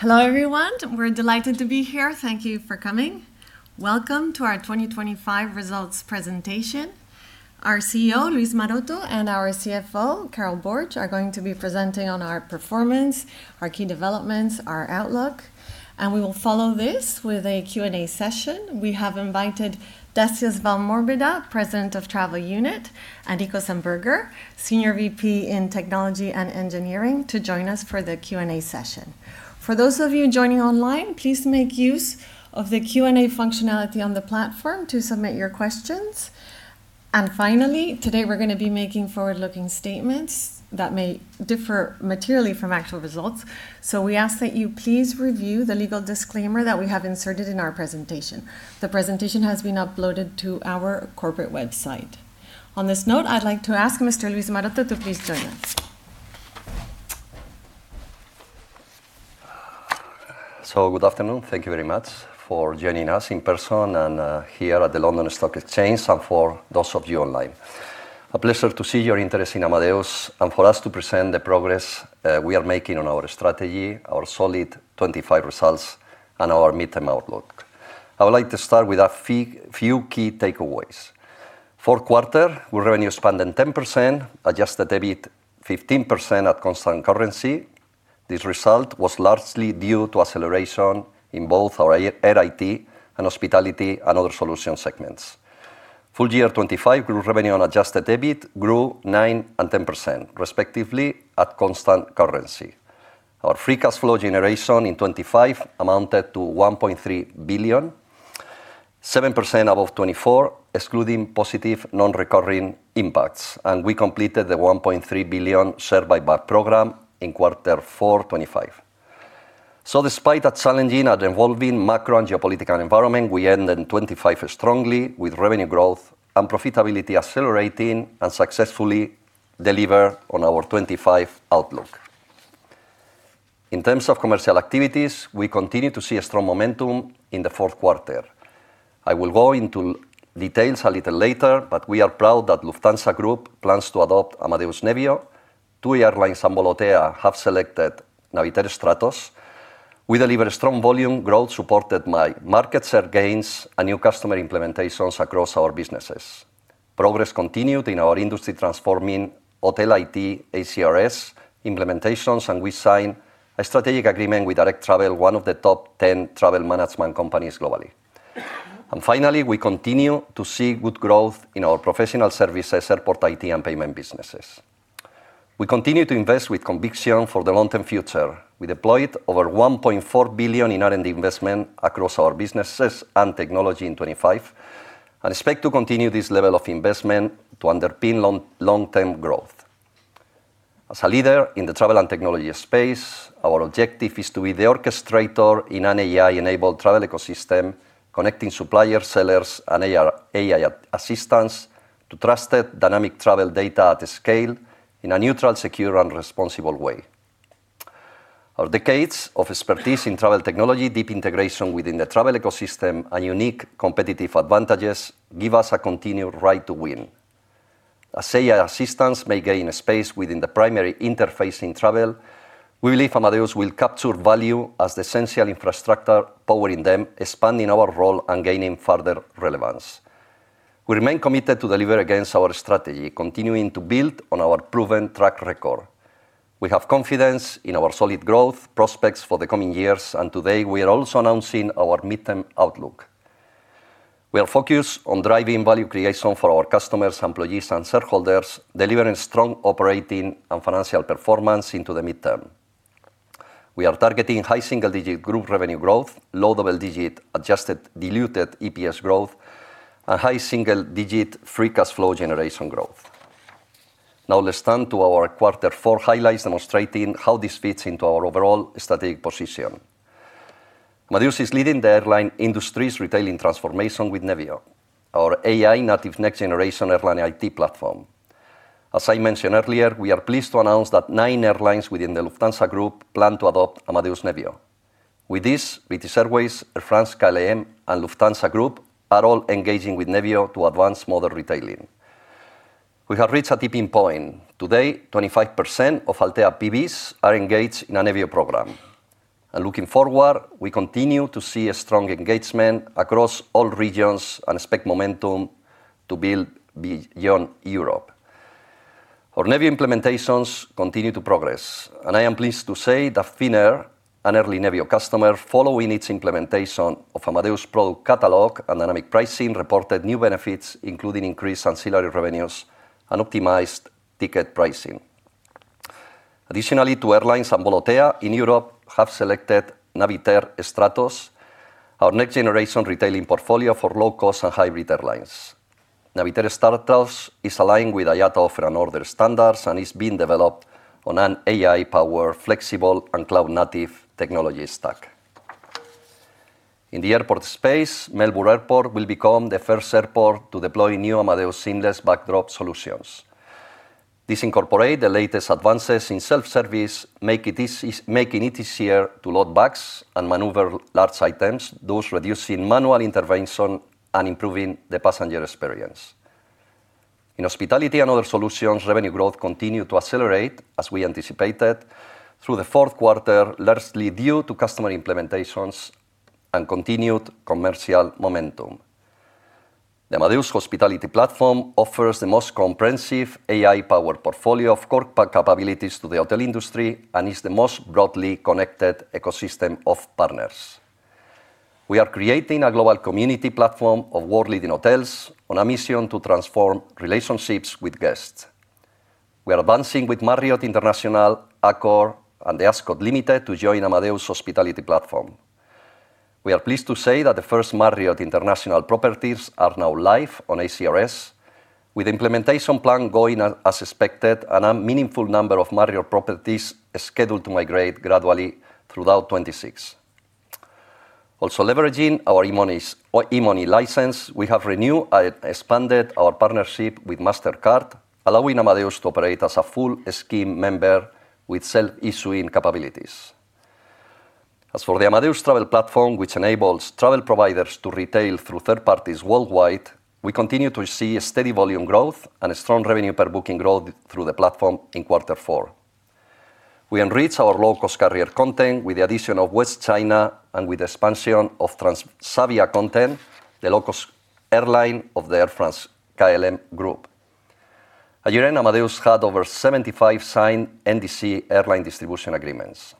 Hello, everyone. We're delighted to be here. Thank you for coming. Welcome to our 2025 Results Presentation. Our CEO, Luis Maroto, and our CFO, Carol Borg, are going to be presenting on our performance, our key developments, our outlook. We will follow this with a Q&A session. We have invited Decius Valmorbida, President of Travel Unit, and Niko Samberger, Senior VP in Technology and Engineering, to join us for the Q&A session. For those of you joining online, please make use of the Q&A functionality on the platform to submit your questions. Finally, today we're going to be making forward-looking statements that may differ materially from actual results. We ask that you please review the legal disclaimer that we have inserted in our presentation. The presentation has been uploaded to our corporate website. On this note, I'd like to ask Mr.Luis Maroto to please join us. Good afternoon. Thank you very much for joining us in person and here at the London Stock Exchange, and for those of you online. A pleasure to see your interest in Amadeus, and for us to present the progress we are making on our strategy, our solid 2025 results, and our midterm outlook. I would like to start with a few key takeaways. Fourth quarter, our revenue expanded 10%, Adjusted EBIT, 15% at constant currency. This result was largely due to acceleration in both our Air IT and Hospitality and other solution segments. Full year 2025, group revenue and Adjusted EBIT grew 9% and 10%, respectively, at constant currency. Our free cash flow generation in 2025 amounted to 1.3 billion, 7% above 2024, excluding positive non-recurring impacts. We completed the 1.3 billion share buyback program in Q4 2025. Despite a challenging and evolving macro and geopolitical environment, we ended 2025 strongly with revenue growth and profitability accelerating and successfully deliver on our 2025 outlook. In terms of commercial activities, we continue to see a strong momentum in the fourth quarter. I will go into details a little later, but we are proud that Lufthansa Group plans to adopt Amadeus Nevio. Two airlines and Volotea have selected Navitaire Stratos. We delivered strong volume growth, supported by market share gains and new customer implementations across our businesses. Progress continued in our industry-transforming Hotel IT ACRS implementations, and we signed a strategic agreement with Direct Travel, one of the top 10 travel management companies globally. Finally, we continue to see good growth in our professional services, airport IT, and payment businesses. We continue to invest with conviction for the long-term future. We deployed over 1.4 billion in R&D investment across our businesses and technology in 2025. We expect to continue this level of investment to underpin long-term growth. As a leader in the travel and technology space, our objective is to be the orchestrator in an AI-enabled travel ecosystem, connecting suppliers, sellers, and AI assistants to trusted dynamic travel data at scale in a neutral, secure, and responsible way. Our decades of expertise in travel technology, deep integration within the travel ecosystem, and unique competitive advantages give us a continued right to win. As AI assistants may gain a space within the primary interface in travel, we believe Amadeus will capture value as the essential infrastructure powering them, expanding our role and gaining further relevance. We remain committed to deliver against our strategy, continuing to build on our proven track record. We have confidence in our solid growth prospects for the coming years. Today we are also announcing our midterm outlook. We are focused on driving value creation for our customers, employees, and shareholders, delivering strong operating and financial performance into the midterm. We are targeting high single-digit group revenue growth, low double-digit adjusted diluted EPS growth, and high single-digit free cash flow generation growth. Now, let's turn to our quarter four highlights, demonstrating how this fits into our overall strategic position. Amadeus is leading the airline industry's retailing transformation with Nevio, our AI-native, next-generation airline IT platform. As I mentioned earlier, we are pleased to announce that nine airlines within the Lufthansa Group plan to adopt Amadeus Nevio. With this, British Airways, Air France-KLM, and Lufthansa Group are all engaging with Nevio to advance modern retailing. We have reached a tipping point. Today, 25% of Altea PBs are engaged in a Nevio program. Looking forward, we continue to see a strong engagement across all regions and expect momentum to build beyond Europe. Our Nevio implementations continue to progress, and I am pleased to say that Finnair, an early Nevio customer, following its implementation of Amadeus product catalog and dynamic pricing, reported new benefits, including increased ancillary revenues and optimized ticket pricing. Additionally, two airlines and Volotea in Europe have selected Navitaire Stratos, our next-generation retailing portfolio for low-cost and hybrid airlines. Navitaire Stratos is aligned with IATA offer and order standards and is being developed on an AI-powered, flexible, and cloud-native technology stack. In the airport space, Melbourne Airport will become the first airport to deploy new Amadeus Seamless Bag Drop solutions. These incorporate the latest advances in self-service, making it easier to load bags and maneuver large items, thus reducing manual intervention and improving the passenger experience. In Hospitality and Other Solutions, revenue growth continued to accelerate, as we anticipated, through the fourth quarter, largely due to customer implementations and continued commercial momentum. The Amadeus Hospitality Platform offers the most comprehensive AI-powered portfolio of core capabilities to the hotel industry and is the most broadly connected ecosystem of partners. We are creating a global community platform of world-leading hotels on a mission to transform relationships with guests. We are advancing with Marriott International, Accor, and The Ascott Limited to join Amadeus Hospitality Platform. We are pleased to say that the first Marriott International properties are now live on ACRS, with implementation plan going as expected, a meaningful number of Marriott properties are scheduled to migrate gradually throughout 2026. Also, leveraging our e-money license, we have renewed and expanded our partnership with Mastercard, allowing Amadeus to operate as a full scheme member with self-issuing capabilities. As for the Amadeus Travel Platform, which enables travel providers to retail through third parties worldwide, we continue to see a steady volume growth and a strong revenue per booking growth through the platform in quarter four. We enrich our low-cost carrier content with the addition of West China and with expansion of Transavia content, the low-cost airline of the Air France-KLM group. A year-end, Amadeus had over 75 signed NDC airline distribution agreements.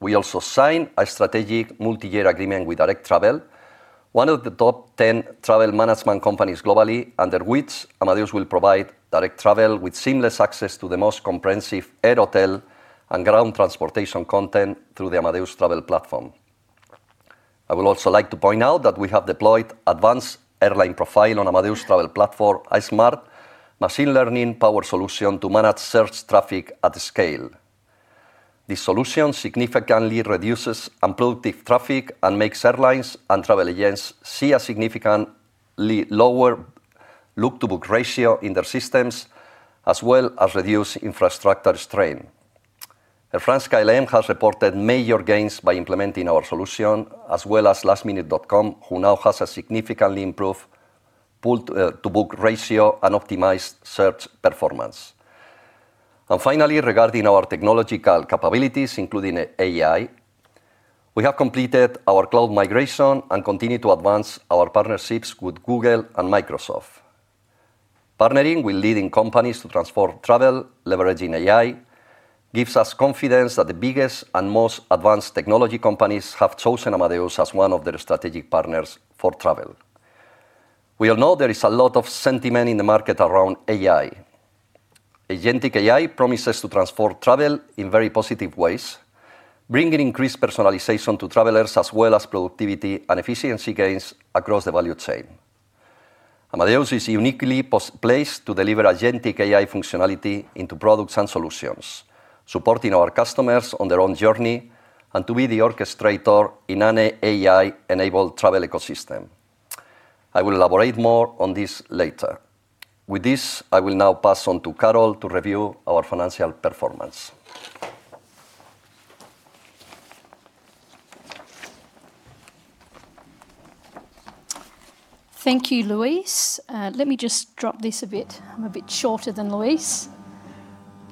We also signed a strategic multi-year agreement with Direct Travel, one of the top 10 travel management companies globally, under which Amadeus will provide Direct Travel with seamless access to the most comprehensive air, hotel, and ground transportation content through the Amadeus Travel Platform. I would also like to point out that we have deployed Advanced Airline Profile on Amadeus Travel Platform, a smart machine learning power solution to manage search traffic at scale. This solution significantly reduces unproductive traffic and makes airlines and travel agents see a significantly lower look-to-book ratio in their systems, as well as reduce infrastructure strain. Air France-KLM has reported major gains by implementing our solution, as well as lastminute.com, who now has a significantly improved pull to book ratio and optimized search performance. Finally, regarding our technological capabilities, including AI, we have completed our cloud migration and continue to advance our partnerships with Google and Microsoft. Partnering with leading companies to transform travel, leveraging AI, gives us confidence that the biggest and most advanced technology companies have chosen Amadeus as one of their strategic partners for travel. We all know there is a lot of sentiment in the market around AI. Agentic AI promises to transform travel in very positive ways, bringing increased personalization to travelers, as well as productivity and efficiency gains across the value chain. Amadeus is uniquely placed to deliver agentic AI functionality into products and solutions, supporting our customers on their own journey, and to be the orchestrator in an AI-enabled travel ecosystem. I will elaborate more on this later. With this, I will now pass on to Carol to review our financial performance. Thank you, Luis. Let me just drop this a bit. I'm a bit shorter than Luis.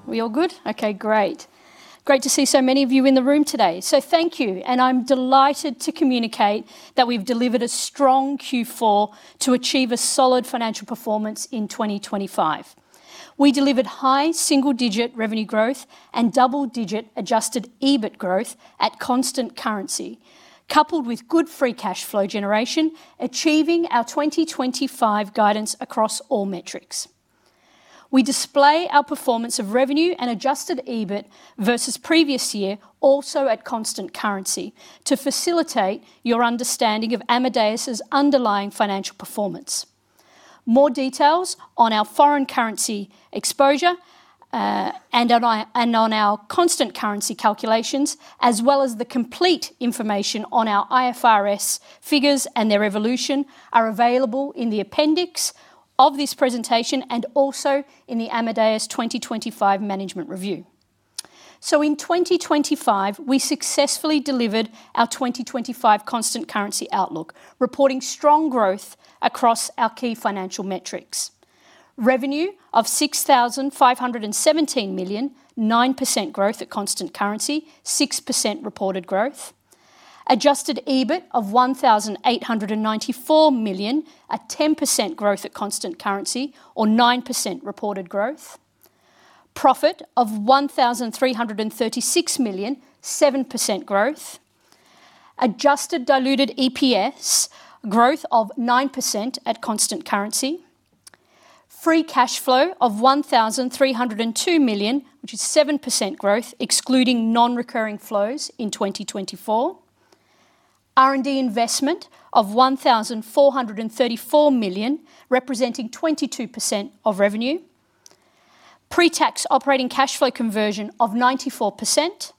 We all good? Okay, great. Great to see so many of you in the room today. Thank you, and I'm delighted to communicate that we've delivered a strong Q4 to achieve a solid financial performance in 2025. We delivered high single-digit revenue growth and double-digit Adjusted EBIT growth at constant currency, coupled with good free cash flow generation, achieving our 2025 guidance across all metrics. We display our performance of revenue and Adjusted EBIT versus previous year, also at constant currency, to facilitate your understanding of Amadeus' underlying financial performance. More details on our foreign currency exposure, and on our, and on our constant currency calculations, as well as the complete information on our IFRS figures and their evolution, are available in the appendix of this presentation and also in the Amadeus 2025 management review. In 2025, we successfully delivered our 2025 constant currency outlook, reporting strong growth across our key financial metrics. Revenue of 6,517 million, 9% growth at constant currency, 6% reported growth. Adjusted EBIT of 1,894 million, a 10% growth at constant currency or 9% reported growth. Profit of 1,336 million, 7% growth. Adjusted diluted EPS, growth of 9% at constant currency. Free cash flow of 1,302 million, which is 7% growth, excluding non-recurring flows in 2024. R&D investment of 1,434 million, representing 22% of revenue. Pre-tax operating cash flow conversion of 94%.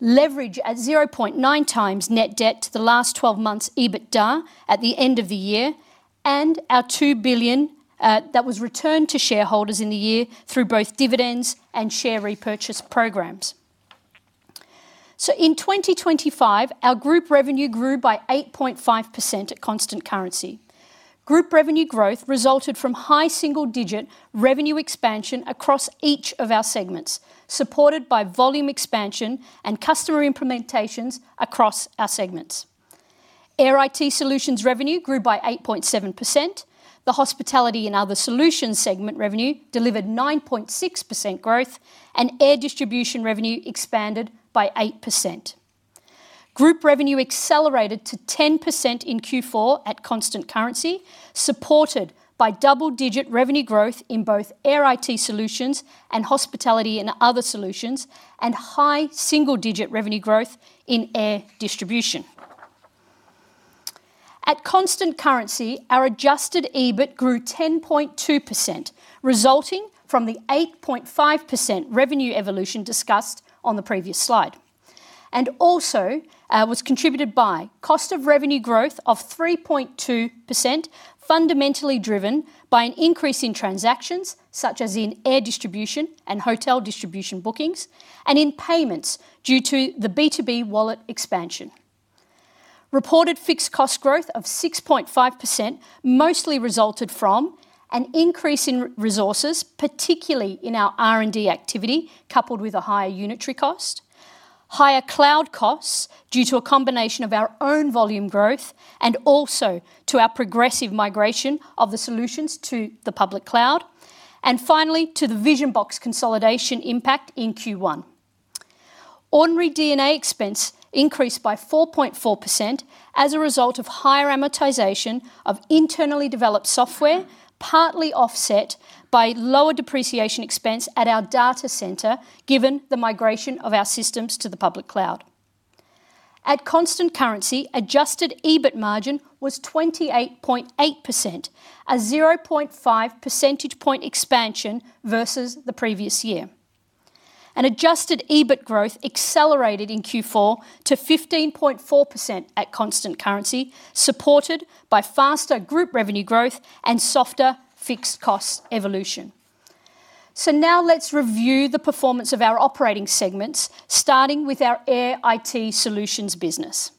Leverage at 0.9x net debt to the last 12 months EBITDA at the end of the year, and our 2 billion that was returned to shareholders in the year through both dividends and share repurchase programs. In 2025, our group revenue grew by 8.5% at constant currency. Group revenue growth resulted from high single-digit revenue expansion across each of our segments, supported by volume expansion and customer implementations across our segments. Air IT Solutions revenue grew by 8.7%, the Hospitality and other solutions segment revenue delivered 9.6% growth, and air distribution revenue expanded by 8%. Group revenue accelerated to 10% in Q4 at constant currency, supported by double-digit revenue growth in both Air IT Solutions and Hospitality and other solutions, and high single-digit revenue growth in air distribution. At constant currency, our Adjusted EBIT grew 10.2%, resulting from the 8.5% revenue evolution discussed on the previous slide, and also was contributed by cost of revenue growth of 3.2%, fundamentally driven by an increase in transactions, such as in air distribution and hotel distribution bookings, and in payments due to the B2B Wallet expansion. Reported fixed cost growth of 6.5% mostly resulted from an increase in resources, particularly in our R&D activity, coupled with a higher unitary cost, higher cloud costs due to a combination of our own volume growth and also to our progressive migration of the solutions to the public cloud, and finally, to the Vision-Box consolidation impact in Q1. Ordinary D&A expense increased by 4.4% as a result of higher amortization of internally developed software, partly offset by lower depreciation expense at our data center, given the migration of our systems to the public cloud. At constant currency, Adjusted EBIT margin was 28.8%, a 0.5 percentage point expansion versus the previous year. An Adjusted EBIT growth accelerated in Q4 to 15.4% at constant currency, supported by faster group revenue growth and softer fixed cost evolution. Now let's review the performance of our operating segments, starting with our Air IT Solutions business.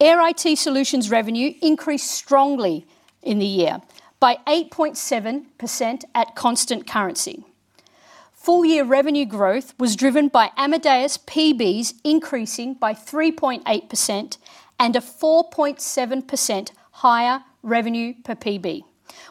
Air IT Solutions revenue increased strongly in the year by 8.7% at constant currency. Full-year revenue growth was driven by Amadeus PBs increasing by 3.8% and a 4.7% higher revenue per PB,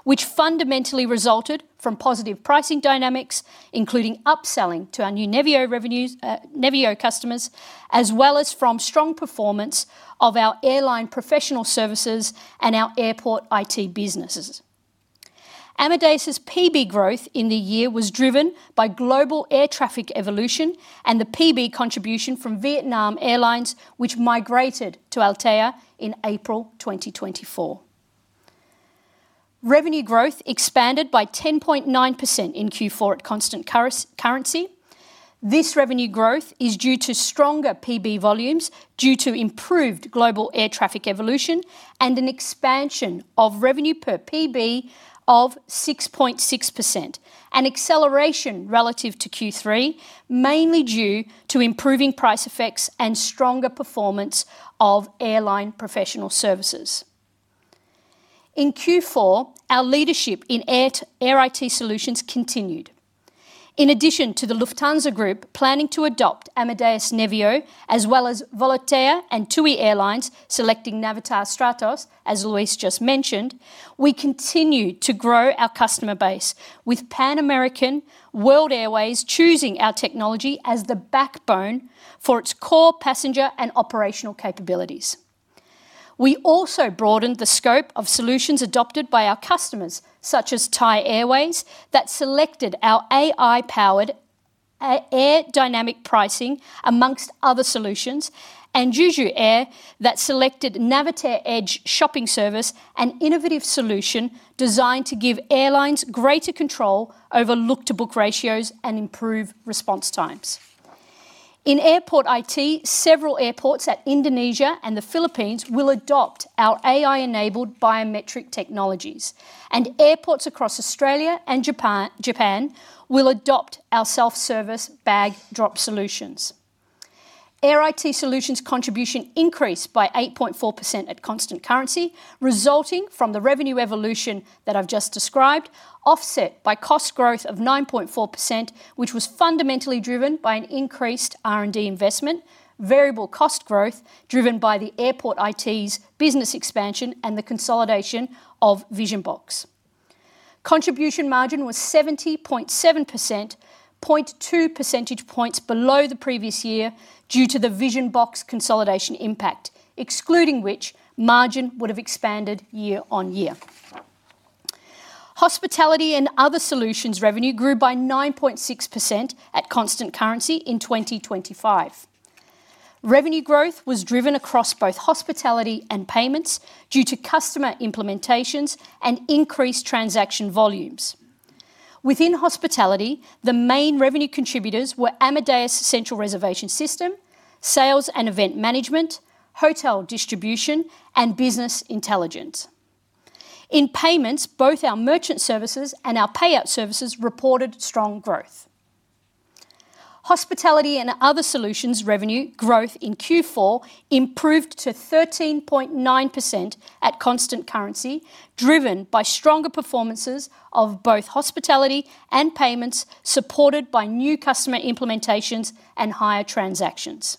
which fundamentally resulted from positive pricing dynamics, including upselling to our new Nevio revenues, Nevio customers, as well as from strong performance of our airline professional services and our airport IT businesses. Amadeus's PB growth in the year was driven by global air traffic evolution and the PB contribution from Vietnam Airlines, which migrated to Altea in April 2024. Revenue growth expanded by 10.9% in Q4 at constant currency. This revenue growth is due to stronger PB volumes, due to improved global air traffic evolution and an expansion of revenue per PB of 6.6%. An acceleration relative to Q3, mainly due to improving price effects and stronger performance of airline professional services. In Q4, our leadership in Air IT Solutions continued. In addition to the Lufthansa Group planning to adopt Amadeus Nevio, as well as Volotea and TUI Airlines, selecting Navitaire Stratos, as Luis just mentioned, we continue to grow our customer base with Pan American World Airways choosing our technology as the backbone for its core passenger and operational capabilities. We also broadened the scope of solutions adopted by our customers, such as Thai Airways, that selected our AI-powered, Amadeus Air Dynamic Pricing, among other solutions, and Jeju Air, that selected Navitaire Edge Shopping Service, an innovative solution designed to give airlines greater control over look-to-book ratios and improve response times. In airport IT, several airports at Indonesia and the Philippines will adopt our AI-enabled biometric technologies, and airports across Australia and Japan will adopt our Seamless Bag Drop solutions. Air IT Solutions contribution increased by 8.4% at constant currency, resulting from the revenue evolution that I've just described, offset by cost growth of 9.4%, which was fundamentally driven by an increased R&D investment, variable cost growth, driven by the airport IT's business expansion, and the consolidation of Vision-Box. Contribution margin was 70.7%, 0.2 percentage points below the previous year due to the Vision-Box consolidation impact, excluding which, margin would have expanded year on year. Hospitality and Other Solutions revenue grew by 9.6% at constant currency in 2025. Revenue growth was driven across both hospitality and payments due to customer implementations and increased transaction volumes. Within hospitality, the main revenue contributors were Amadeus Central Reservation System, sales and event management, hotel distribution, and business intelligence. In Payments, both our merchant services and our payout services reported strong growth. Hospitality and Other Solutions revenue growth in Q4 improved to 13.9% at constant currency, driven by stronger performances of both hospitality and payments, supported by new customer implementations and higher transactions.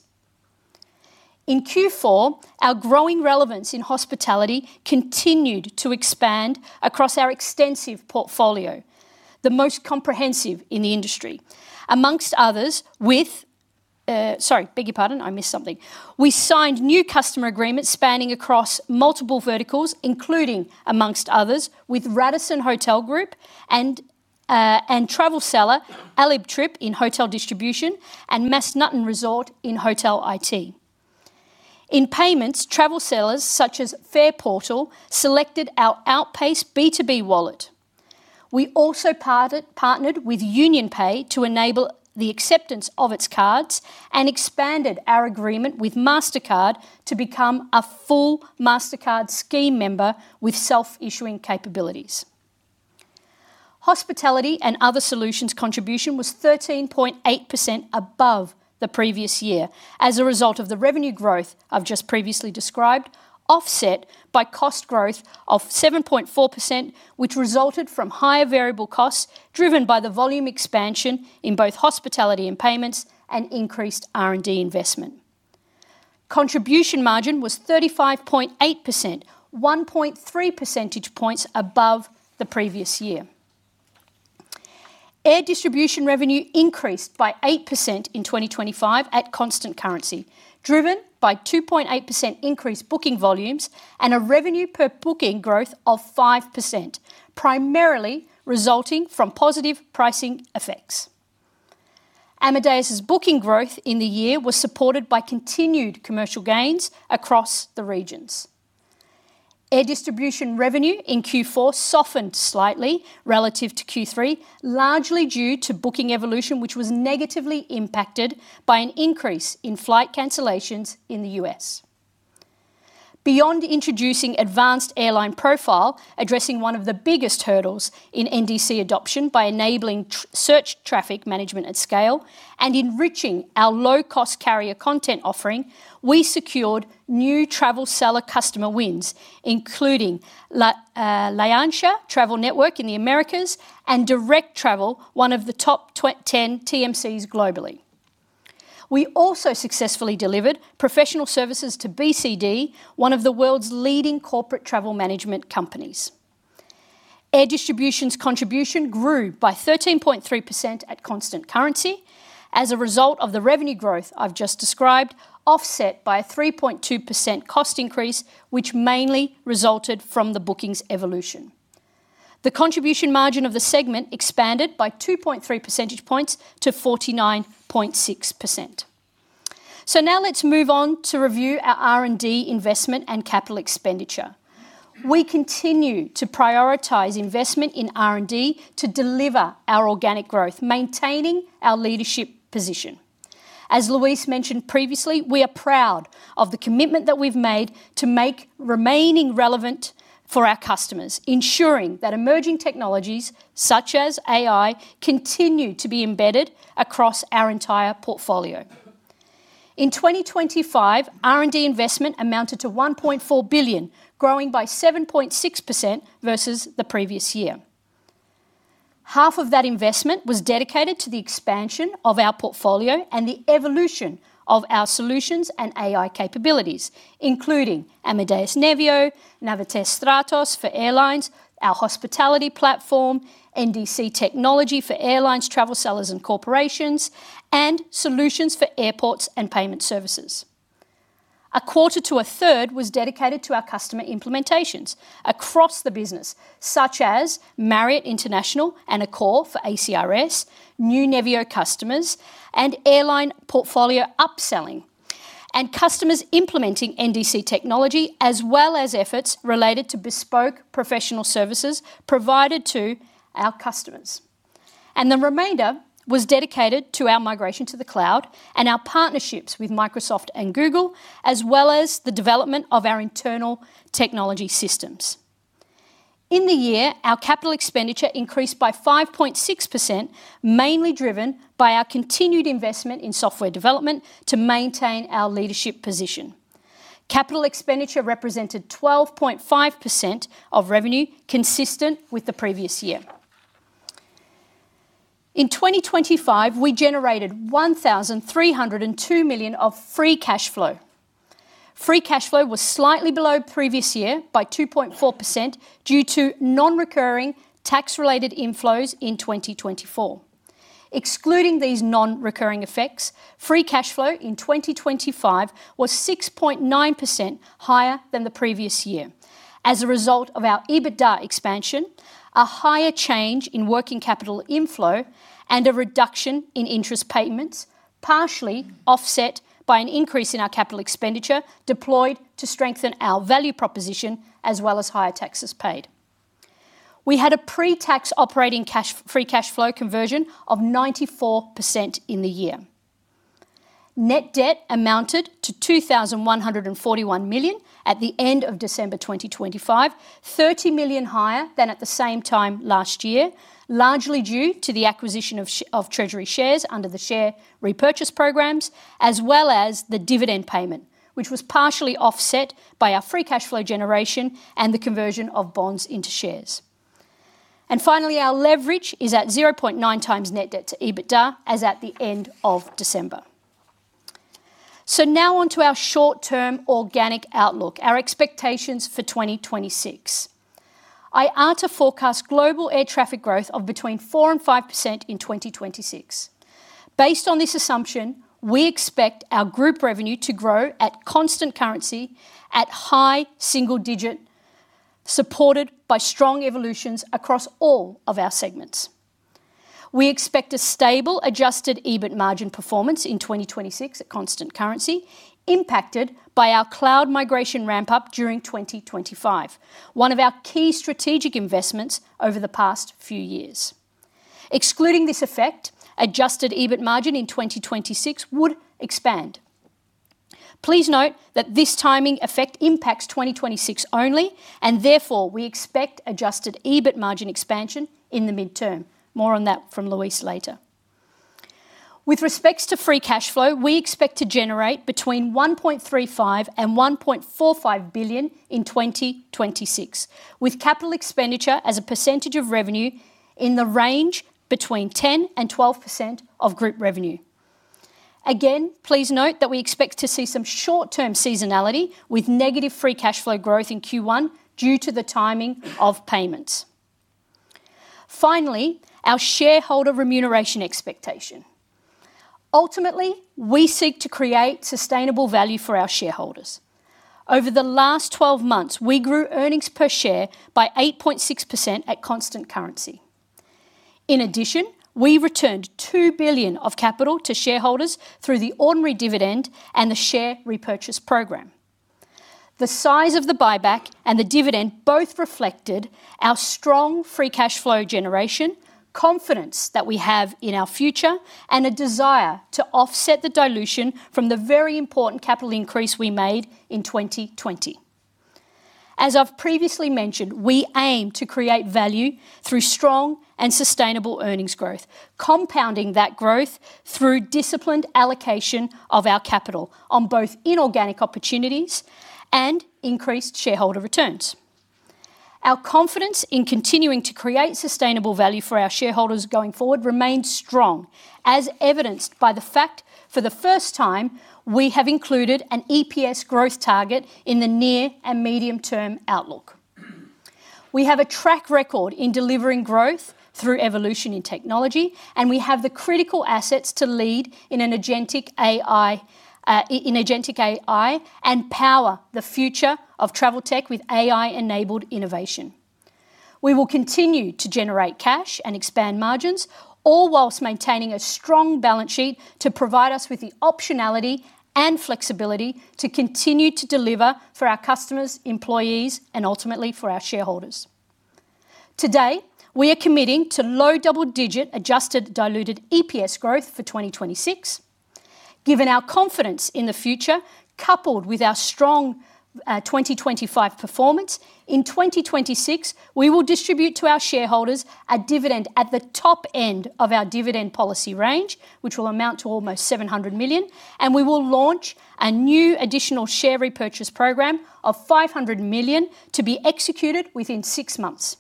In Q4, our growing relevance in hospitality continued to expand across our extensive portfolio, the most comprehensive in the industry. Sorry, beg your pardon, I missed something. We signed new customer agreements spanning across multiple verticals, including, amongst others, with Radisson Hotel Group and travel seller Alitrip in hotel distribution, and Massanutten Resort in hotel IT. In Payments, travel sellers such as Fareportal selected our Outpayce B2B Wallet. We also partnered with UnionPay to enable the acceptance of its cards and expanded our agreement with Mastercard to become a full Mastercard scheme member with self-issuing capabilities. Hospitality and Other Solutions contribution was 13.8% above the previous year as a result of the revenue growth I've just previously described, offset by cost growth of 7.4%, which resulted from higher variable costs, driven by the volume expansion in both hospitality and payments and increased R&D investment. Contribution margin was 35.8%, 1.3 percentage points above the previous year. Air Distribution revenue increased by 8% in 2025 at constant currency, driven by 2.8% increased booking volumes and a revenue per booking growth of 5%, primarily resulting from positive pricing effects. Amadeus' booking growth in the year was supported by continued commercial gains across the regions. Air Distribution revenue in Q4 softened slightly relative to Q3, largely due to booking evolution, which was negatively impacted by an increase in flight cancellations in the U.S. Beyond introducing Advanced Airline Profile, addressing one of the biggest hurdles in NDC adoption by enabling search traffic management at scale and enriching our low-cost carrier content offering, we secured new travel seller customer wins, including L'Alianxa Travel Network in the Americas and Direct Travel, one of the top 10 TMCs globally. We also successfully delivered professional services to BCD, one of the world's leading corporate travel management companies. Air Distribution's contribution grew by 13.3% at constant currency as a result of the revenue growth I've just described, offset by a 3.2% cost increase, which mainly resulted from the bookings evolution. The contribution margin of the segment expanded by 2.3 percentage points to 49.6%. Now let's move on to review our R&D investment and capital expenditure. We continue to prioritize investment in R&D to deliver our organic growth, maintaining our leadership position. As Luis mentioned previously, we are proud of the commitment that we've made to make remaining relevant for our customers, ensuring that emerging technologies, such as AI, continue to be embedded across our entire portfolio. In 2025, R&D investment amounted to 1.4 billion, growing by 7.6% versus the previous year. Half of that investment was dedicated to the expansion of our portfolio and the evolution of our solutions and AI capabilities, including Amadeus Nevio, Navitaire Stratos for airlines, our hospitality platform, NDC Technology for airlines, travel sellers, and corporations, and solutions for airports and payment services. A quarter to a third was dedicated to our customer implementations across the business, such as Marriott International and Accor for ACRS, new Nevio customers, and airline portfolio upselling, and customers implementing NDC technology, as well as efforts related to bespoke professional services provided to our customers. The remainder was dedicated to our migration to the cloud and our partnerships with Microsoft and Google, as well as the development of our internal technology systems. In the year, our capital expenditure increased by 5.6%, mainly driven by our continued investment in software development to maintain our leadership position. Capital expenditure represented 12.5% of revenue, consistent with the previous year. In 2025, we generated 1,302 million of free cashflow. Free cashflow was slightly below previous year by 2.4% due to non-recurring tax-related inflows in 2024. Excluding these non-recurring effects, free cashflow in 2025 was 6.9% higher than the previous year as a result of our EBITDA expansion, a higher change in working capital inflow, and a reduction in interest payments, partially offset by an increase in our capital expenditure deployed to strengthen our value proposition, as well as higher taxes paid. We had a pre-tax free cashflow conversion of 94% in the year. Net debt amounted to 2,141 million at the end of December 2025, 30 million higher than at the same time last year, largely due to the acquisition of treasury shares under the share repurchase programs, as well as the dividend payment, which was partially offset by our free cash flow generation and the conversion of bonds into shares. Finally, our leverage is at 0.9x net debt to EBITDA as at the end of December. Now on to our short-term organic outlook, our expectations for 2026. IATA forecast global air traffic growth of between 4%-5% in 2026. Based on this assumption, we expect our group revenue to grow at constant currency at high single-digit, supported by strong evolutions across all of our segments. We expect a stable Adjusted EBIT margin performance in 2026 at constant currency, impacted by our cloud migration ramp-up during 2025, one of our key strategic investments over the past few years. Excluding this effect, Adjusted EBIT margin in 2026 would expand. Please note that this timing effect impacts 2026 only, and therefore, we expect Adjusted EBIT margin expansion in the midterm. More on that from Luis later. With respects to free cash flow, we expect to generate between 1.35 billion and 1.45 billion in 2026, with capital expenditure as a percentage of revenue in the range between 10%-12% of group revenue. Again, please note that we expect to see some short-term seasonality with negative free cash flow growth in Q1 due to the timing of payments. Finally, our shareholder remuneration expectation. Ultimately, we seek to create sustainable value for our shareholders. Over the last 12 months, we grew earnings per share by 8.6% at constant currency. In addition, we returned 2 billion of capital to shareholders through the ordinary dividend and the share repurchase program. The size of the buyback and the dividend both reflected our strong free cash flow generation, confidence that we have in our future, and a desire to offset the dilution from the very important capital increase we made in 2020. As I've previously mentioned, we aim to create value through strong and sustainable earnings growth, compounding that growth through disciplined allocation of our capital on both inorganic opportunities and increased shareholder returns. Our confidence in continuing to create sustainable value for our shareholders going forward remains strong, as evidenced by the fact, for the first time, we have included an EPS growth target in the near and medium-term outlook. We have a track record in delivering growth through evolution in technology, and we have the critical assets to lead in agentic AI and power the future of travel tech with AI-enabled innovation. We will continue to generate cash and expand margins, all whilst maintaining a strong balance sheet to provide us with the optionality and flexibility to continue to deliver for our customers, employees, and ultimately for our shareholders. Today, we are committing to low double-digit Adjusted diluted EPS growth for 2026. Given our confidence in the future, coupled with our strong 2025 performance, in 2026, we will distribute to our shareholders a dividend at the top end of our dividend policy range, which will amount to almost 700 million, and we will launch a new additional share repurchase program of 500 million to be executed within six months.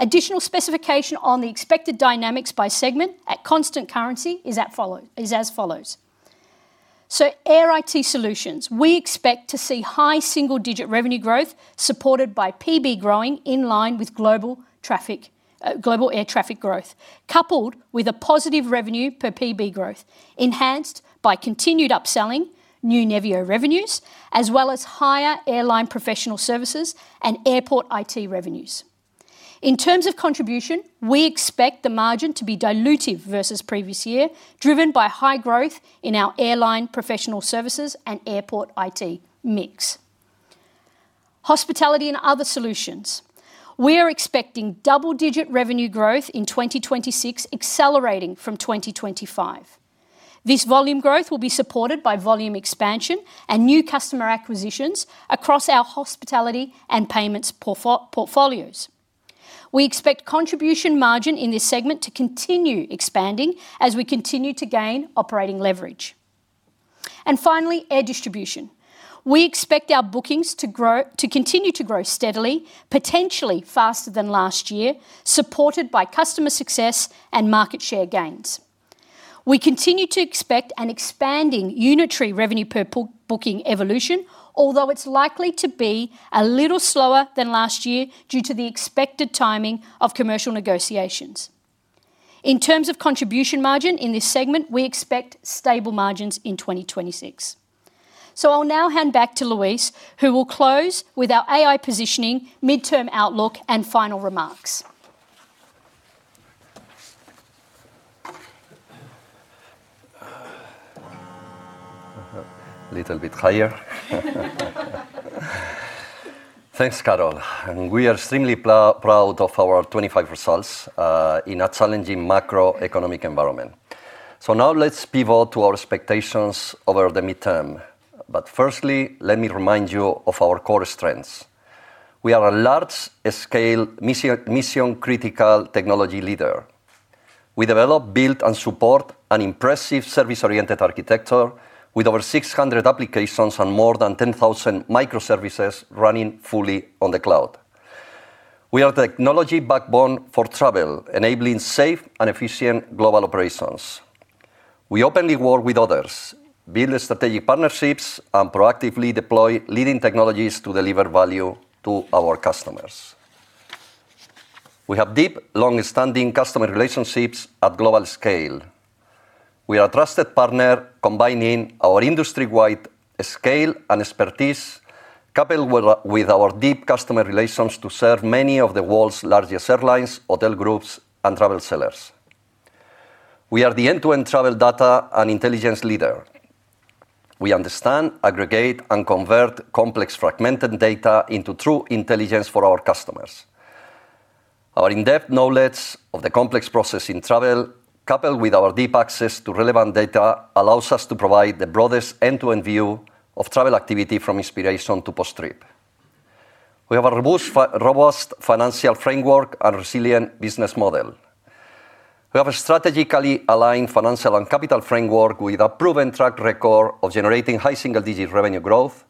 Additional specification on the expected dynamics by segment at constant currency is as follows: Air IT Solutions, we expect to see high single-digit revenue growth, supported by PB growing in line with global traffic, global air traffic growth, coupled with a positive revenue per PB growth, enhanced by continued upselling, new Nevio revenues, as well as higher airline professional services and airport IT revenues. In terms of contribution, we expect the margin to be dilutive versus previous year, driven by high growth in our airline professional services and airport IT mix. Hospitality and Other Solutions. We are expecting double-digit revenue growth in 2026, accelerating from 2025. This volume growth will be supported by volume expansion and new customer acquisitions across our hospitality and payments portfolios. We expect contribution margin in this segment to continue expanding as we continue to gain operating leverage. Finally, air distribution. We expect our bookings to continue to grow steadily, potentially faster than last year, supported by customer success and market share gains. We continue to expect an expanding unitary revenue per booking evolution, although it's likely to be a little slower than last year due to the expected timing of commercial negotiations. In terms of contribution margin in this segment, we expect stable margins in 2026. I'll now hand back to Luis, who will close with our AI positioning, midterm outlook, and final remarks. Little bit higher. Thanks, Carol, we are extremely proud of our 2025 results in a challenging macroeconomic environment. Now let's pivot to our expectations over the midterm. Firstly, let me remind you of our core strengths. We are a large scale mission-critical technology leader. We develop, build, and support an impressive service-oriented architecture with over 600 applications and more than 10,000 microservices running fully on the cloud. We are technology backbone for travel, enabling safe and efficient global operations. We openly work with others, build strategic partnerships, and proactively deploy leading technologies to deliver value to our customers. We have deep, long-standing customer relationships at global scale. We are a trusted partner, combining our industry-wide scale and expertise, coupled with our deep customer relations to serve many of the world's largest airlines, hotel groups, and travel sellers. We are the end-to-end travel data and intelligence leader. We understand, aggregate, and convert complex fragmented data into true intelligence for our customers. Our in-depth knowledge of the complex process in travel, coupled with our deep access to relevant data, allows us to provide the broadest end-to-end view of travel activity from inspiration to post-trip. We have a robust financial framework and resilient business model. We have a strategically aligned financial and capital framework with a proven track record of generating high single-digit revenue growth,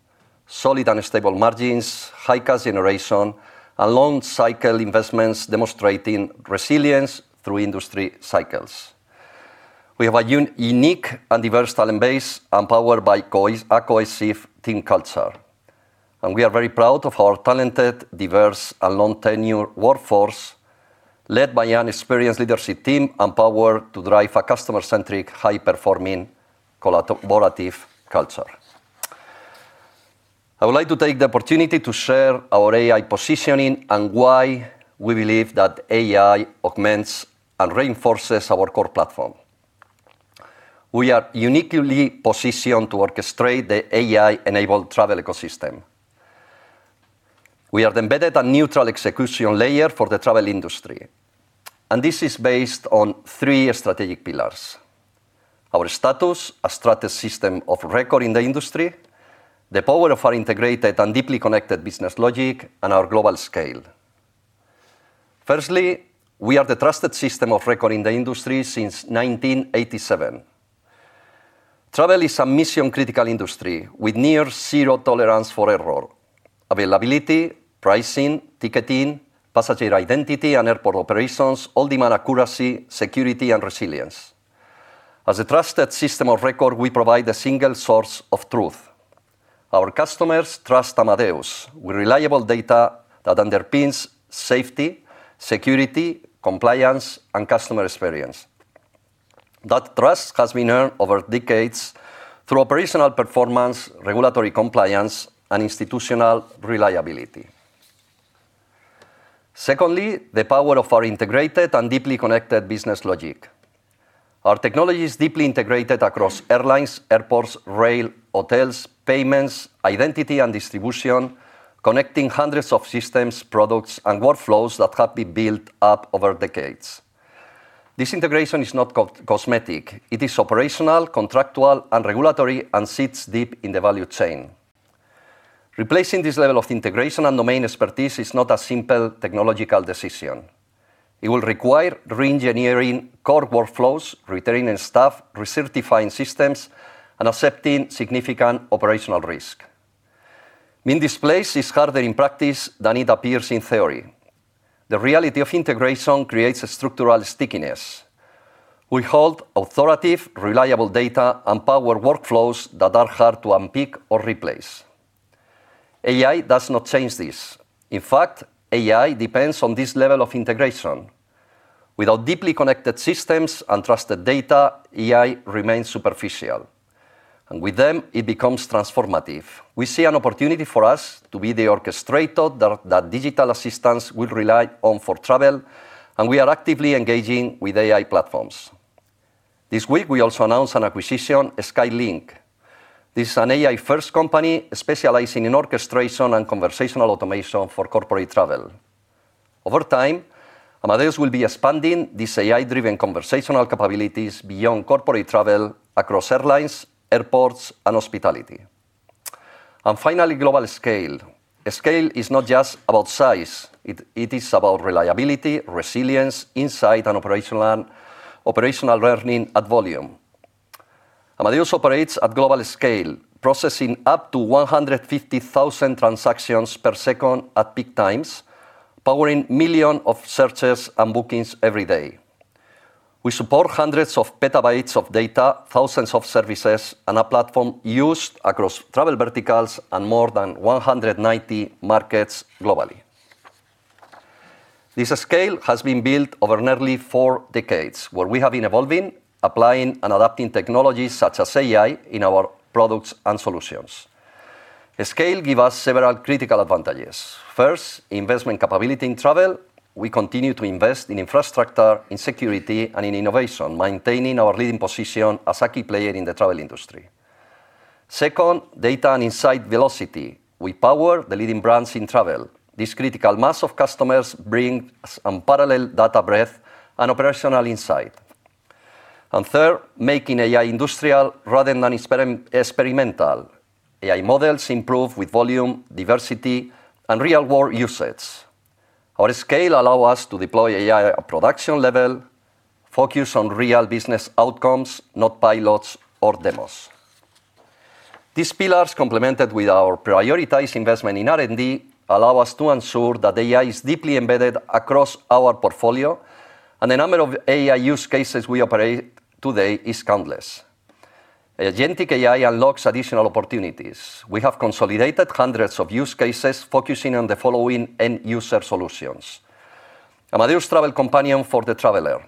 solid and stable margins, high cash generation, and long cycle investments demonstrating resilience through industry cycles. We have a unique and diverse talent base, powered by a cohesive team culture. We are very proud of our talented, diverse, and long-tenure workforce, led by an experienced leadership team, empowered to drive a customer-centric, high-performing, collaborative culture. I would like to take the opportunity to share our AI positioning and why we believe that AI augments and reinforces our core platform. We are uniquely positioned to orchestrate the AI-enabled travel ecosystem. This is based on three strategic pillars: our status as trusted system of record in the industry, the power of our integrated and deeply connected business logic, and our global scale. Firstly, we are the trusted system of record in the industry since 1987. Travel is a mission-critical industry with near zero tolerance for error, availability, pricing, ticketing, passenger identity, and airport operations, all demand accuracy, security, and resilience. As a trusted system of record, we provide a single source of truth. Our customers trust Amadeus with reliable data that underpins safety, security, compliance, and customer experience. That trust has been earned over decades through operational performance, regulatory compliance, and institutional reliability. Secondly, the power of our integrated and deeply connected business logic. Our technology is deeply integrated across airlines, airports, rail, hotels, payments, identity, and distribution, connecting hundreds of systems, products, and workflows that have been built up over decades. This integration is not co- cosmetic; it is operational, contractual, and regulatory, and sits deep in the value chain. Replacing this level of integration and domain expertise is not a simple technological decision. It will require reengineering core workflows, retaining staff, recertifying systems, and accepting significant operational risk. Being displaced is harder in practice than it appears in theory. The reality of integration creates a structural stickiness. We hold authoritative, reliable data and power workflows that are hard to unpick or replace. AI does not change this. In fact, AI depends on this level of integration. Without deeply connected systems and trusted data, AI remains superficial, and with them, it becomes transformative. We see an opportunity for us to be the orchestrator that digital assistants will rely on for travel, and we are actively engaging with AI platforms. This week, we also announced an acquisition, SkyLink. This is an AI-first company specializing in orchestration and conversational automation for corporate travel. Over time, Amadeus will be expanding these AI-driven conversational capabilities beyond corporate travel across airlines, airports, and hospitality. Finally, global scale. Scale is not just about size. It is about reliability, resilience, insight, and operational learning at volume. Amadeus operates at global scale, processing up to 150,000 transactions per second at peak times, powering million of searches and bookings every day. We support hundreds of petabytes of data, thousands of services, and a platform used across travel verticals and more than 190 markets globally. This scale has been built over nearly four decades, where we have been evolving, applying, and adapting technologies such as AI in our products and solutions. Scale give us several critical advantages. First, investment capability in travel. We continue to invest in infrastructure, in security, and in innovation, maintaining our leading position as a key player in the travel industry. Second, data and insight velocity. We power the leading brands in travel. This critical mass of customers bring us unparalleled data breadth and operational insight. Third, making AI industrial rather than experimental. AI models improve with volume, diversity, and real-world usage. Our scale allow us to deploy AI at production level, focus on real business outcomes, not pilots or demos. These pillars, complemented with our prioritized investment in R&D, allow us to ensure that AI is deeply embedded across our portfolio. The number of AI use cases we operate today is countless. Agentic AI unlocks additional opportunities. We have consolidated hundreds of use cases focusing on the following end-user solutions: Amadeus Travel Companion for the traveler.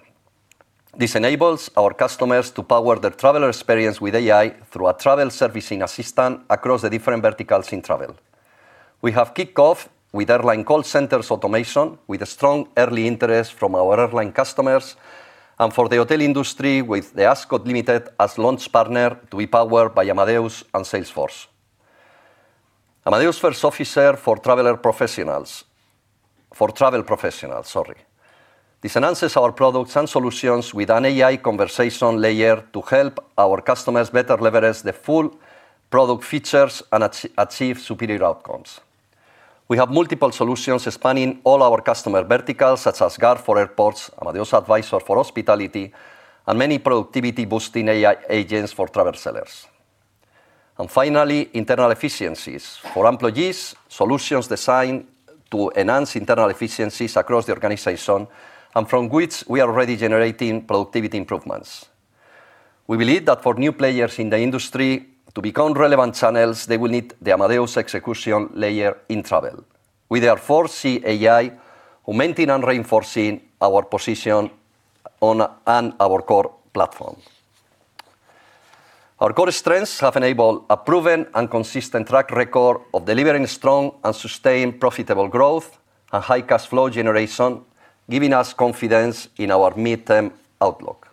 This enables our customers to power their traveler experience with AI through a travel servicing assistant across the different verticals in travel. We have kicked off with airline call centers automation, with a strong early interest from our airline customers. For the hotel industry, with The Ascott Limited as launch partner to be powered by Amadeus and Salesforce. Amadeus First Officer for travel professionals. This enhances our products and solutions with an AI conversation layer to help our customers better leverage the full product features and achieve superior outcomes. We have multiple solutions spanning all our customer verticals, such as Guard for airports, Amadeus Advisor for hospitality, and many productivity-boosting AI agents for travel sellers. Finally, internal efficiencies. For employees, solutions designed to enhance internal efficiencies across the organization, and from which we are already generating productivity improvements. We believe that for new players in the industry to become relevant channels, they will need the Amadeus execution layer in travel. We therefore see AI augmenting and reinforcing our position on, and our core platform. Our core strengths have enabled a proven and consistent track record of delivering strong and sustained profitable growth and high cash flow generation, giving us confidence in our midterm outlook.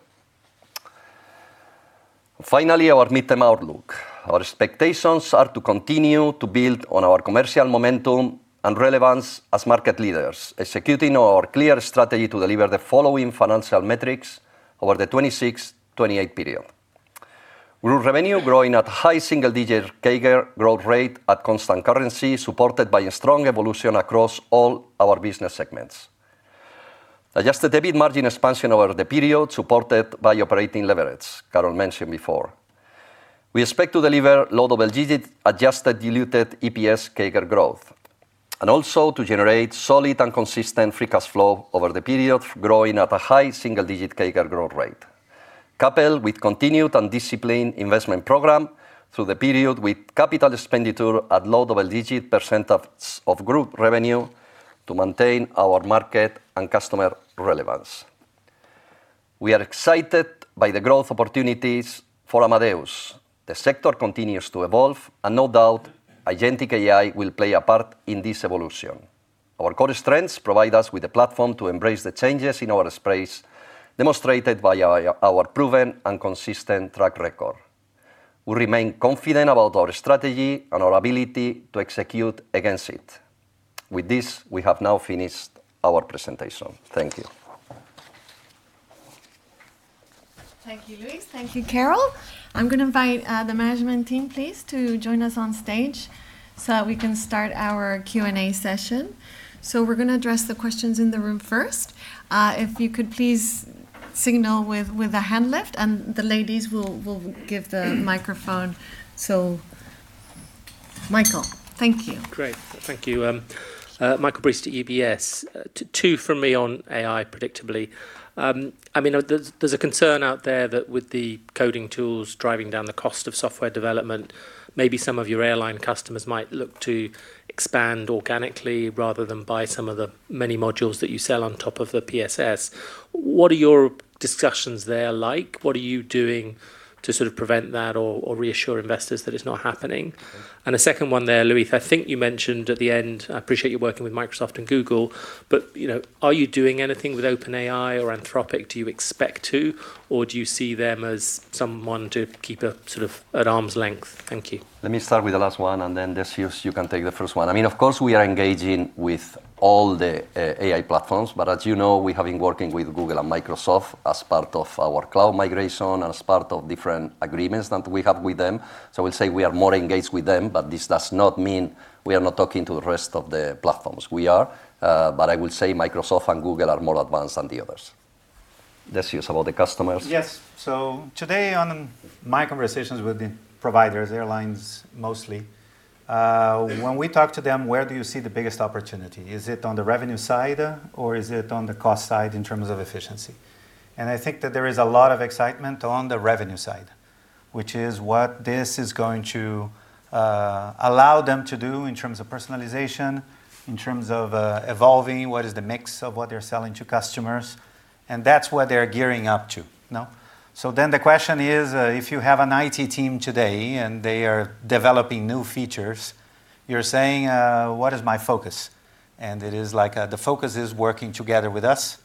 Finally, our midterm outlook. Our expectations are to continue to build on our commercial momentum and relevance as market leaders, executing our clear strategy to deliver the following financial metrics over the 2026-2028 period. Group revenue growing at high single-digit CAGR growth rate at constant currency, supported by a strong evolution across all our business segments. Adjusted EBIT margin expansion over the period, supported by operating leverage, Carol mentioned before. We expect to deliver low double-digit Adjusted diluted EPS CAGR growth, and also to generate solid and consistent free cash flow over the period, growing at a high single-digit CAGR growth rate. Coupled with continued and disciplined investment program through the period, with capital expenditure at low double-digit % of group revenue to maintain our market and customer relevance. We are excited by the growth opportunities for Amadeus. The sector continues to evolve. No doubt, agentic AI will play a part in this evolution. Our core strengths provide us with a platform to embrace the changes in our space, demonstrated by our proven and consistent track record. We remain confident about our strategy and our ability to execute against it. With this, we have now finished our presentation. Thank you. Thank you, Luis. Thank you, Carol. I'm going to invite the management team, please, to join us on stage so that we can start our Q&A session. We're going to address the questions in the room first. If you could please signal with a hand lift, and the ladies will give the microphone. Michael, thank you. Great. Thank you. Michael Briest to UBS. Two from me on AI, predictably. I mean, there's a concern out there that with the coding tools driving down the cost of software development, maybe some of your airline customers might look to expand organically rather than buy some of the many modules that you sell on top of the PSS. What are your discussions there like? What are you doing to sort of prevent that or reassure investors that it's not happening? A second one there, Luis, I think you mentioned at the end... I appreciate you working with Microsoft and Google, but, you know, are you doing anything with OpenAI or Anthropic? Do you expect to, or do you see them as someone to keep a sort of at arm's length? Thank you. Let me start with the last one, and then, Decio, you can take the first one. I mean, of course, we are engaging with all the AI platforms, but as you know, we have been working with Google and Microsoft as part of our cloud migration and as part of different agreements that we have with them. I will say we are more engaged with them, but this does not mean we are not talking to the rest of the platforms. We are, but I will say Microsoft and Google are more advanced than the others. Decio, about the customers. Yes. Today on my conversations with the providers, airlines mostly, when we talk to them, where do you see the biggest opportunity? Is it on the revenue side, or is it on the cost side in terms of efficiency? I think that there is a lot of excitement on the revenue side, which is what this is going to allow them to do in terms of personalization, in terms of evolving what is the mix of what they're selling to customers, and that's what they're gearing up to. No? The question is, if you have an IT team today and they are developing new features, you're saying, "What is my focus?" It is like, the focus is working together with us.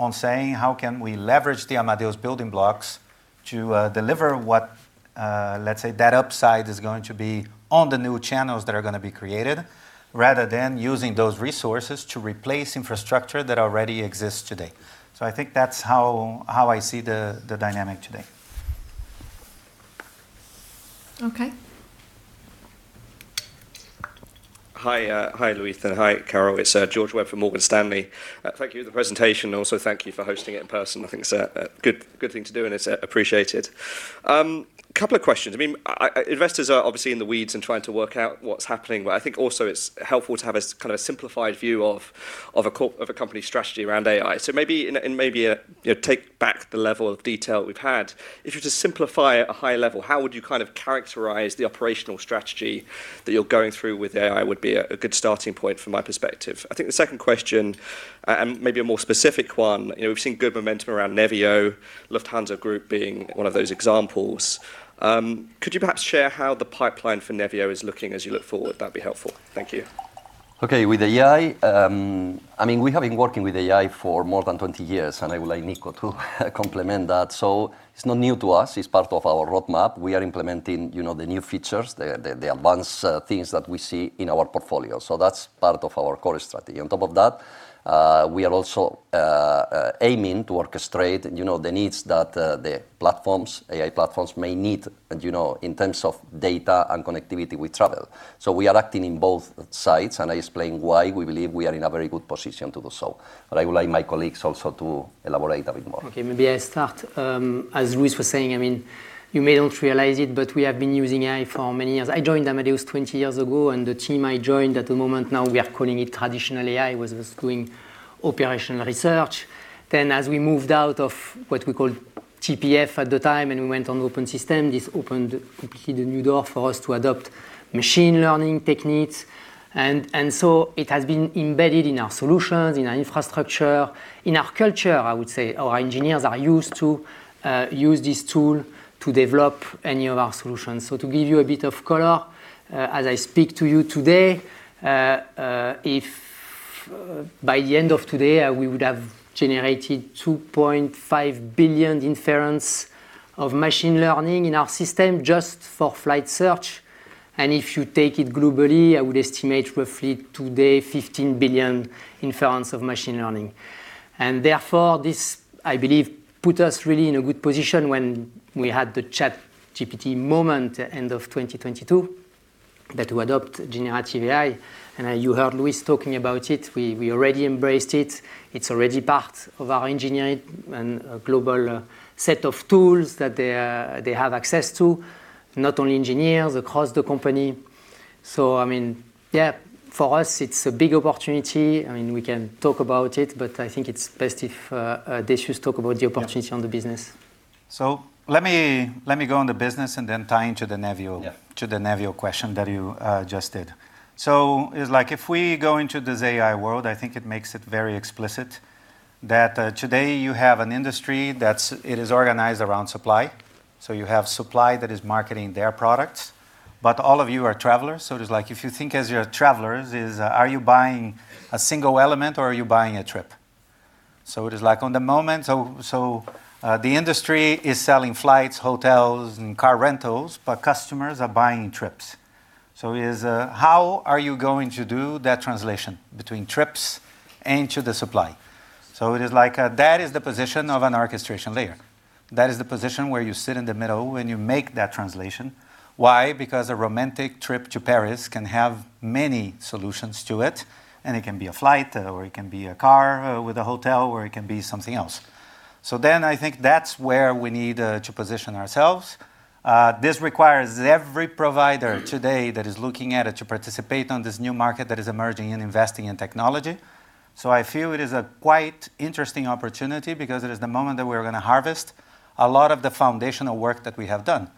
on saying, how can we leverage the Amadeus building blocks to deliver what, let's say, that upside is going to be on the new channels that are going to be created, rather than using those resources to replace infrastructure that already exists today. I think that's how I see the dynamic today. Okay. Hi, hi, Luis, and hi, Carol. It's George Webb from Morgan Stanley. Thank you for the presentation, also thank you for hosting it in person. I think it's a good thing to do, and it's appreciated. Couple of questions. I mean, I, investors are obviously in the weeds and trying to work out what's happening, but I think also it's helpful to have a kind of simplified view of a company's strategy around AI. Maybe in a, in maybe a, you know, take back the level of detail we've had, if you were to simplify at a high level, how would you kind of characterize the operational strategy that you're going through with AI would be a good starting point from my perspective. I think the second question, maybe a more specific one, you know, we've seen good momentum around Nevio, Lufthansa Group being one of those examples. Could you perhaps share how the pipeline for Nevio is looking as you look forward? That'd be helpful. Thank you. Okay. With AI, I mean, we have been working with AI for more than 20 years. I would like Nico to complement that. It's not new to us. It's part of our roadmap. We are implementing, you know, the new features, the advanced things that we see in our portfolio. That's part of our core strategy. On top of that, we are also aiming to orchestrate, you know, the needs that the platforms, AI platforms may need, you know, in terms of data and connectivity with travel. We are acting in both sides. I explain why we believe we are in a very good position to do so. I would like my colleagues also to elaborate a bit more. Okay, maybe I start. As Luis was saying, I mean, you may not realize it, but we have been using AI for many years. I joined Amadeus 20 years ago, and the team I joined at the moment, now we are calling it traditional AI, was doing operational research. As we moved out of what we call TPF at the time, and we went on open system, this opened completely the new door for us to adopt machine learning techniques. It has been embedded in our solutions, in our infrastructure, in our culture, I would say. Our engineers are used to use this tool to develop any of our solutions. So to give you a bit of color, uh, as I speak to you today, uh, if by the end of today, we would have generated $2.5 billion inference of machine learning in our system just for flight search. `And if you take it globally, I would estimate roughly today, $15 billion inference of machine learning. And therefore, this, I believe, put us really in a good position when we had the ChatGPT moment at the end of 2022. That we adopt generative AI. And you heard Luis talking about it. We already embraced it. It's already part of engineering and global set of tools that they have access to, not only engineers across the company. So, I mean, for us, it's a big opportunity. I mean, we can talk about it, but I think it's best if Darius talk about the opportunity. Yeah ...on the business. Let me go on the business and then tie into the Nevio. Yeah... to the Nevio question that you just did. It's like if we go into this AI world, I think it makes it very explicit that today you have an industry that's organized around supply. You have supply that is marketing their products, but all of you are travelers. It is like if you think as you are travelers, are you buying a single element or are you buying a trip? It is like on the moment, the industry is selling flights, hotels, and car rentals, but customers are buying trips. How are you going to do that translation between trips and to the supply? That is the position of an orchestration layer. That is the position where you sit in the middle when you make that translation. Why? A romantic trip to Paris can have many solutions to it, and it can be a flight, or it can be a car, with a hotel, or it can be something else. I think that's where we need to position ourselves. This requires every provider today that is looking at it, to participate on this new market that is emerging and investing in technology. I feel it is a quite interesting opportunity because it is the moment that we're going to harvest a lot of the foundational work that we have done.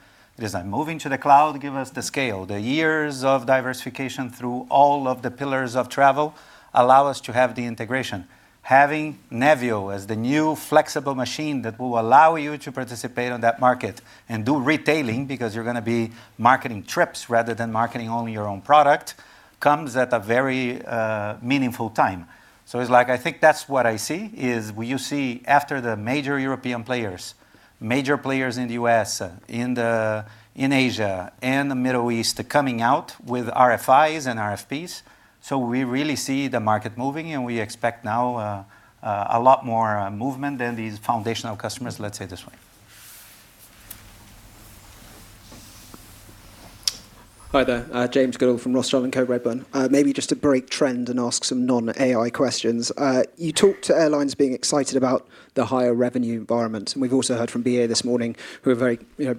It is like moving to the cloud, give us the scale. The years of diversification through all of the pillars of travel allow us to have the integration. Having Nevio as the new flexible machine that will allow you to participate on that market and do retailing, because you're going to be marketing trips rather than marketing only your own product, comes at a very meaningful time. It's like I think that's what I see, is you see after the major European players, major players in the US, in Asia and the Middle East coming out with RFIs and RFPs. We really see the market moving, and we expect now a lot more movement than these foundational customers, let's say this way. Hi there, James Goodall from Rothschild & Co. Redburn. Maybe just to break trend and ask some non-AI questions. You talked to airlines being excited about the higher revenue environment, and we've also heard from BA this morning, who are very, you know,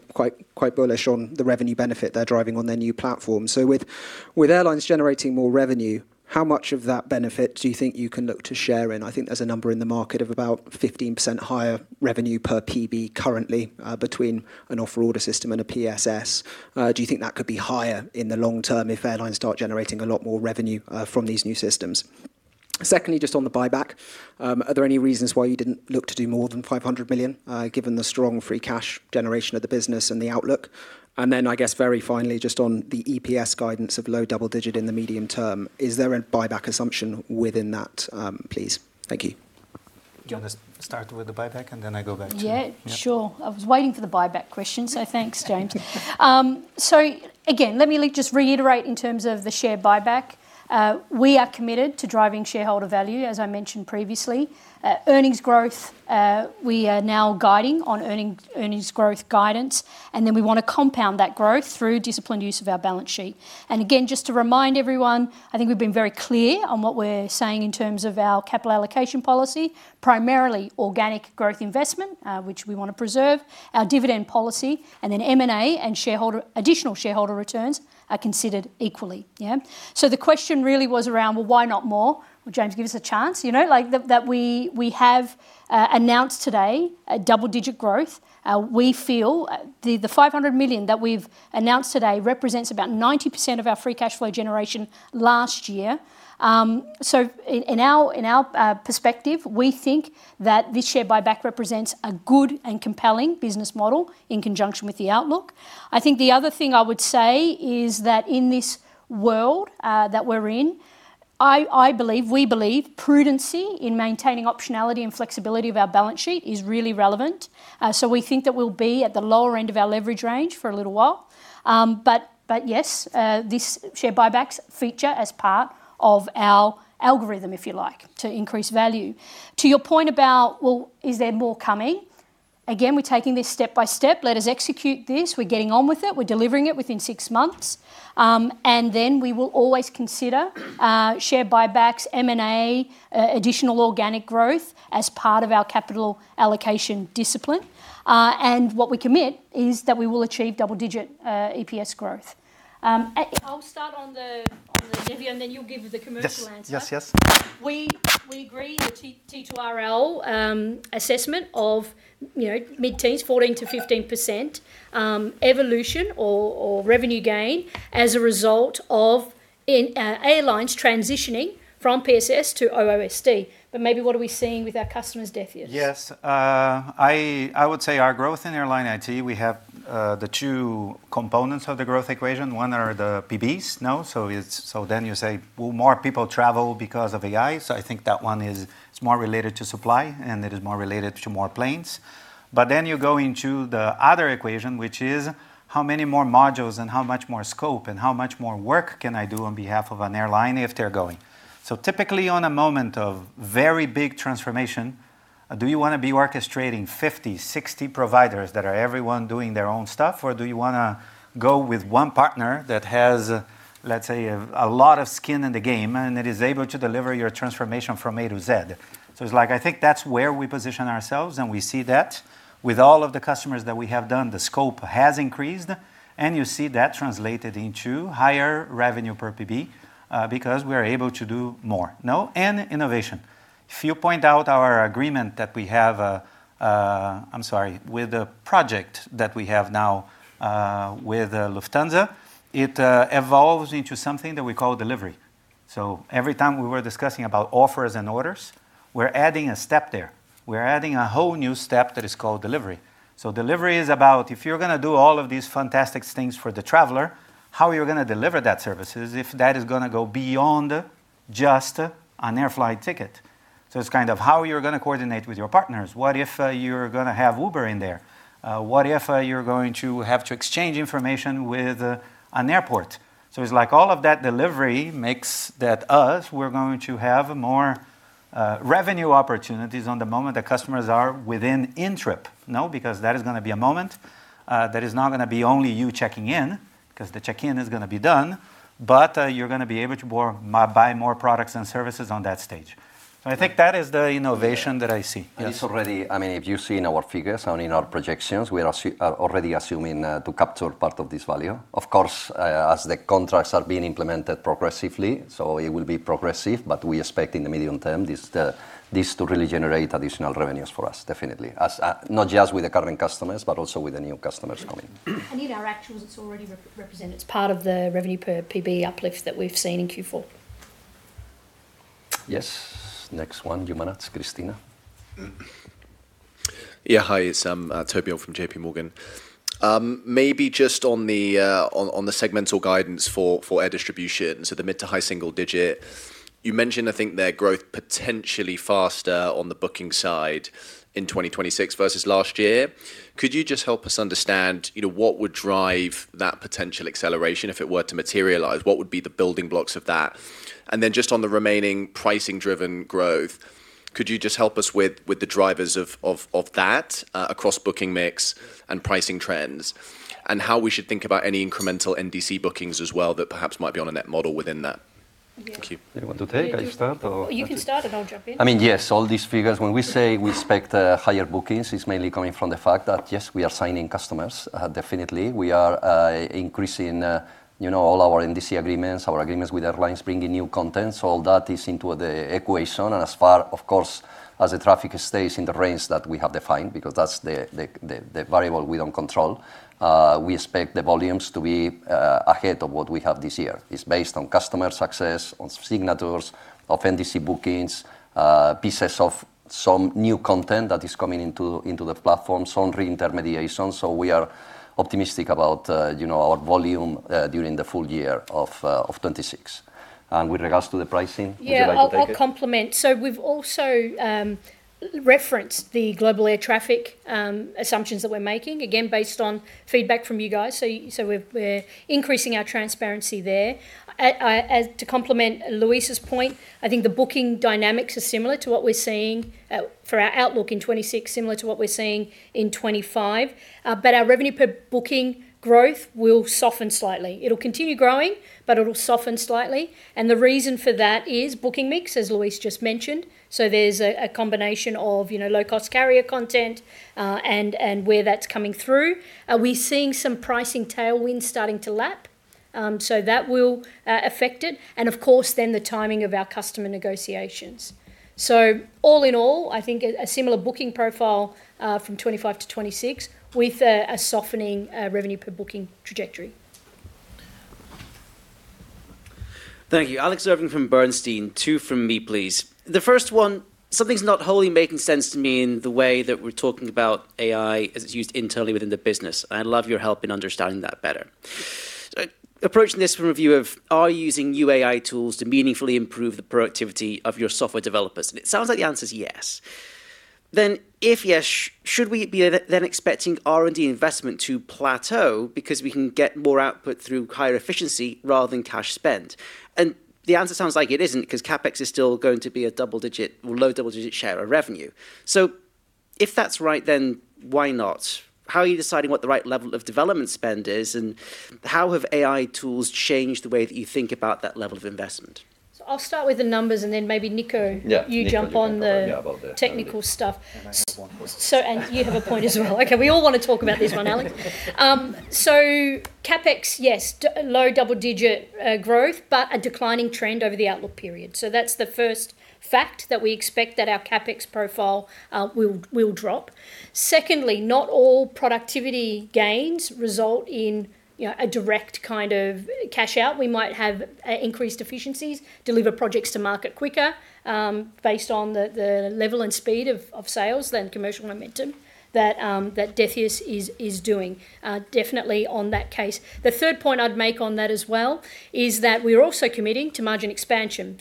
quite bullish on the revenue benefit they're driving on their new platform. With airlines generating more revenue, how much of that benefit do you think you can look to share in? I think there's a number in the market of about 15% higher revenue per PB currently, between an offer order system and a PSS. Do you think that could be higher in the long term if airlines start generating a lot more revenue, from these new systems? Secondly, just on the buyback, are there any reasons why you didn't look to do more than 500 million, given the strong free cash generation of the business and the outlook? I guess, very finally, just on the EPS guidance of low double digit in the medium term, is there a buyback assumption within that, please? Thank you. You want to start with the buyback, and then I go back to you? Yeah, sure. I was waiting for the buyback question, so thanks, James. Again, let me like just reiterate in terms of the share buyback. We are committed to driving shareholder value, as I mentioned previously. Earnings growth, we are now guiding on earnings growth guidance, and then we want to compound that growth through disciplined use of our balance sheet. Again, just to remind everyone, I think we've been very clear on what we're saying in terms of our capital allocation policy, primarily organic growth investment, which we want to preserve, our dividend policy, and then M&A and additional shareholder returns are considered equally. Yeah. The question really was around, well, why not more? James, give us a chance, you know, like that we have announced today a double-digit growth. We feel the 500 million that we've announced today represents about 90% of our free cash flow generation last year. In our perspective, we think that this share buyback represents a good and compelling business model in conjunction with the outlook. I think the other thing I would say is that in this world that we're in, I believe, we believe prudency in maintaining optionality and flexibility of our balance sheet is really relevant. We think that we'll be at the lower end of our leverage range for a little while. Yes, this share buybacks feature as part of our algorithm, if you like, to increase value. To your point about, well, is there more coming? Again, we're taking this step by step. Let us execute this. We're getting on with it. We're delivering it within six months. Then we will always consider share buybacks, M&A, additional organic growth as part of our capital allocation discipline. What we commit is that we will achieve double-digit EPS growth. I'll start on the, on the, Decius, and then you'll give the commercial answer. Yes. Yes, yes. We agree the T2RL assessment of, you know, mid-teens, 14%-15% evolution or revenue gain as a result of airlines transitioning from PSS to OOSD. Maybe what are we seeing with our customers, Decius? Yes. I would say our growth in airline IT, we have the two components of the growth equation. One are the PBs, no? You say, well, more people travel because of AI, I think that one is, it's more related to supply, and it is more related to more planes. You go into the other equation, which is how many more modules, and how much more scope, and how much more work can I do on behalf of an airline if they're going? Typically, on a moment of very big transformation, do you want to be orchestrating 50, 60 providers that are everyone doing their own stuff, or do you want to go with one partner that has, let's say, a lot of skin in the game and that is able to deliver your transformation from A to Z? It's like, I think that's where we position ourselves, and we see that. With all of the customers that we have done, the scope has increased, and you see that translated into higher revenue per PB, because we are able to do more. No? Innovation. If you point out our agreement that we have, with the project that we have now, with Lufthansa, it evolves into something that we call delivery. Every time we were discussing about offers and orders, we're adding a step there. We're adding a whole new step that is called delivery. Delivery is about if you're going to do all of these fantastic things for the traveler, how are you going to deliver that service is if that is going to go beyond just an air flight ticket. It's kind of how you're going to coordinate with your partners. What if you're going to have Uber in there? What if you're going to have to exchange information with an airport? It's like all of that delivery makes that us, we're going to have more revenue opportunities on the moment the customers are within in-trip. No? That is going to be a moment that is not going to be only you checking in, 'cause the check-in is going to be done, but you're going to be able to buy more products and services on that stage. I think that is the innovation that I see. Yes. It's already... I mean, if you see in our figures and in our projections, we are already assuming to capture part of this value. Of course, as the contracts are being implemented progressively, so it will be progressive, but we expect in the medium term, this to really generate additional revenues for us, definitely. As not just with the current customers, but also with the new customers coming. In our actuals, it's already represented. It's part of the revenue per PB uplift that we've seen in Q4. Yes. Next one, Humanats, Christina. Yeah, hi, it's Toby from JPMorgan. Maybe just on the segmental guidance for air distribution, so the mid-to-high single-digit, you mentioned, I think, their growth potentially faster on the booking side in 2026 versus last year. Could you just help us understand, you know, what would drive that potential acceleration if it were to materialize? What would be the building blocks of that? Just on the remaining pricing-driven growth, could you just help us with the drivers of that across booking mix and pricing trends? How we should think about any incremental NDC bookings as well that perhaps might be on a net model within that. Thank you. You want to take? I start, or- You can start, and I'll jump in. I mean, yes, all these figures, when we say we expect higher bookings, it's mainly coming from the fact that, yes, we are signing customers, definitely. We are increasing, you know, all our NDC agreements, our agreements with airlines, bringing new content. All that is into the equation. As far, of course, as the traffic stays in the range that we have defined, because that's the variable we don't control, we expect the volumes to be ahead of what we have this year. It's based on customer success, on signatures, of NDC bookings, pieces of some new content that is coming into the platform, some reintermediation. We are optimistic about, you know, our volume during the full year of 2026. With regards to the pricing, would you like to take it? Yeah, I'll complement. We've also referenced the global air traffic assumptions that we're making, again, based on feedback from you guys. We're increasing our transparency there. As to complement Luis' point, I think the booking dynamics are similar to what we're seeing for our outlook in 2026, similar to what we're seeing in 2025. Our revenue per booking growth will soften slightly. It'll continue growing, but it'll soften slightly, and the reason for that is booking mix, as Luis just mentioned. There's a combination of, you know, low-cost carrier content, and where that's coming through. We're seeing some pricing tailwinds starting to lap, so that will affect it, and of course, then the timing of our customer negotiations. All in all, I think a similar booking profile from 2025 to 2026, with a softening revenue per booking trajectory. Thank you. Alex Irving from Bernstein. Two from me, please. The first one, something's not wholly making sense to me in the way that we're talking about AI as it's used internally within the business. I'd love your help in understanding that better. Approaching this from a view of, are you using new AI tools to meaningfully improve the productivity of your software developers? It sounds like the answer is yes. If yes, should we be then expecting R&D investment to plateau because we can get more output through higher efficiency rather than cash spend? The answer sounds like it isn't, because CapEx is still going to be a double-digit or low double-digit share of revenue. If that's right, then why not? How are you deciding what the right level of development spend is, and how have AI tools changed the way that you think about that level of investment? I'll start with the numbers, and then maybe, Nico... Yeah, Nico-... you jump on. Yeah. technical stuff. I have one point. And you have a point as well. Okay, we all want to talk about this one, Alex. CapEx, yes, low double-digit growth, but a declining trend over the outlook period. That's the first fact, that we expect that our CapEx profile will drop. Secondly, not all productivity gains result in, you know, a direct kind of cash out. We might have increased efficiencies, deliver projects to market quicker, based on the level and speed of sales, then commercial momentum that Decius is doing. Definitely on that case. The third point I'd make on that as well, is that we're also committing to margin expansion.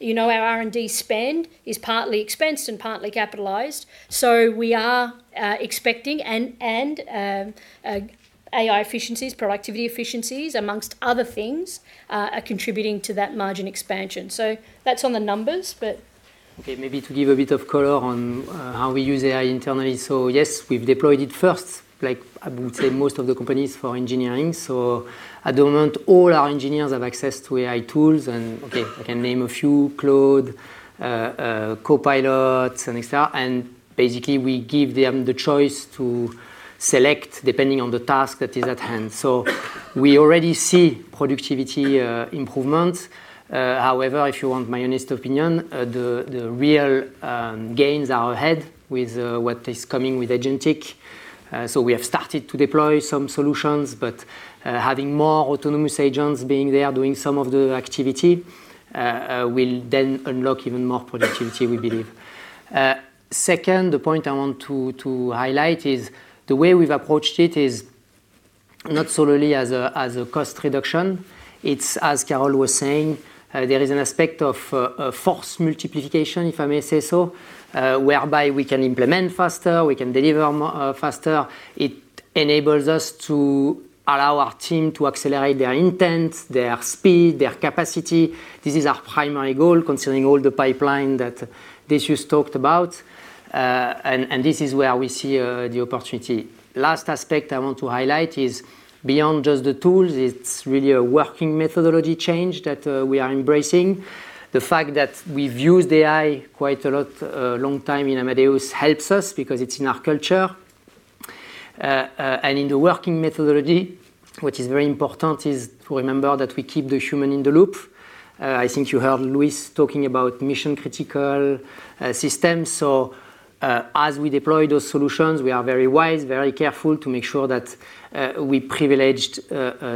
You know, our R&D spend is partly expensed and partly capitalized, so we are expecting and AI efficiencies, productivity efficiencies, amongst other things, are contributing to that margin expansion. That's on the numbers. Maybe to give a bit of color on how we use AI internally. Yes, we've deployed it first, like I would say, most of the companies, for engineering. At the moment, all our engineers have access to AI tools, I can name a few: Claude, Copilot, and et cetera. Basically, we give them the choice to select depending on the task that is at hand. We already see productivity improvement. However, if you want my honest opinion, the real gains are ahead with what is coming with agentic. We have started to deploy some solutions, but having more autonomous agents being there, doing some of the activity, will then unlock even more productivity, we believe. Second, the point I want to highlight is the way we've approached it is not solely as a cost reduction. It's as Carol was saying, there is an aspect of force multiplication, if I may say so, whereby we can implement faster, we can deliver more faster. It enables us to allow our team to accelerate their intent, their speed, their capacity. This is our primary goal, considering all the pipeline that Decius talked about, and this is where we see the opportunity. Last aspect I want to highlight is beyond just the tools, it's really a working methodology change that we are embracing. The fact that we've used AI quite a lot long time in Amadeus helps us because it's in our culture. In the working methodology, what is very important is to remember that we keep the human in the loop. I think you heard Luis talking about mission-critical systems. As we deploy those solutions, we are very wise, very careful to make sure that we privileged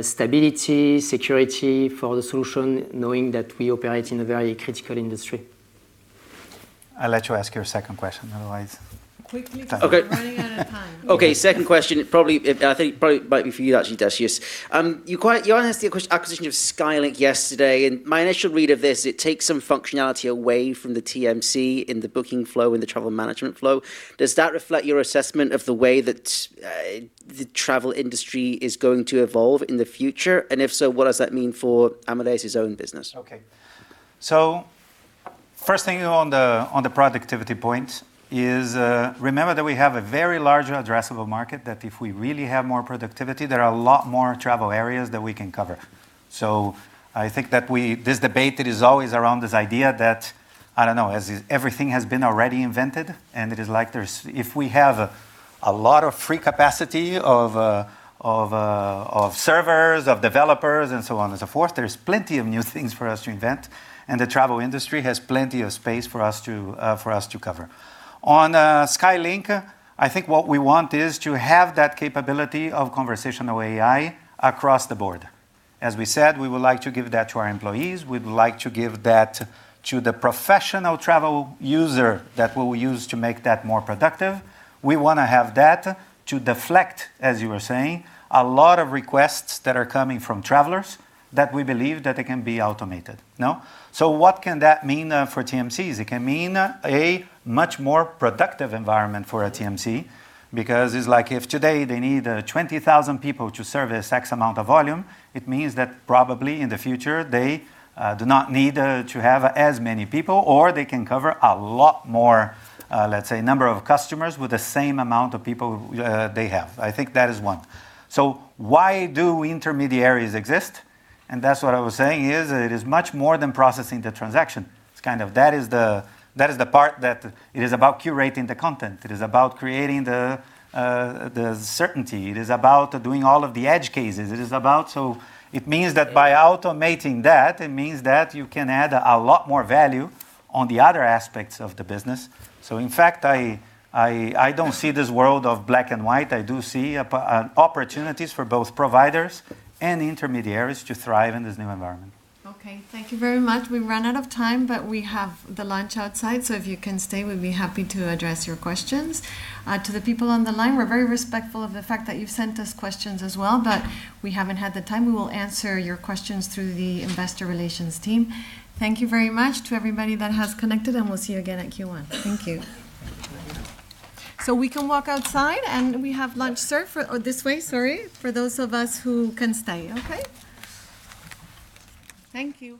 stability, security for the solution, knowing that we operate in a very critical industry. I'll let you ask your second question, otherwise. Quickly- Okay we're running out of time. Okay, second question. It probably, I think probably might be for you, actually, Decius. You asked the acquisition of SkyLink yesterday, my initial read of this, it takes some functionality away from the TMC in the booking flow, in the travel management flow. Does that reflect your assessment of the way that the travel industry is going to evolve in the future? If so, what does that mean for Amadeus' own business? Okay. First thing on the, on the productivity point is, remember that we have a very large addressable market, that if we really have more productivity, there are a lot more travel areas that we can cover. I think that this debate, it is always around this idea that, I don't know, as if everything has been already invented, it is like there's If we have a lot of free capacity of servers, of developers, and so on and so forth, there's plenty of new things for us to invent, and the travel industry has plenty of space for us to for us to cover. On SkyLink, I think what we want is to have that capability of conversational AI across the board. As we said, we would like to give that to our employees. We'd like to give that to the professional travel user that we will use to make that more productive. We wanna have that to deflect, as you were saying, a lot of requests that are coming from travelers, that we believe that they can be automated, no? What can that mean for TMCs? It can mean a much more productive environment for a TMC, because it's like if today they need 20,000 people to service X amount of volume, it means that probably in the future, they do not need to have as many people, or they can cover a lot more, let's say, number of customers with the same amount of people they have. I think that is one. Why do intermediaries exist? That's what I was saying, is it is much more than processing the transaction. It's kind of that is the, that is the part that it is about curating the content. It is about creating the certainty. It is about doing all of the edge cases. It is about. It means that by automating that, it means that you can add a lot more value on the other aspects of the business. In fact, I don't see this world of black and white. I do see opportunities for both providers and intermediaries to thrive in this new environment. Okay, thank you very much. We've run out of time, but we have the lunch outside, so if you can stay, we'd be happy to address your questions. To the people on the line, we're very respectful of the fact that you've sent us questions as well, but we haven't had the time. We will answer your questions through the investor relations team. Thank you very much to everybody that has connected, and we'll see you again at Q1. Thank you. We can walk outside, and we have lunch served. This way, sorry, for those of us who can stay. Okay? Thank you.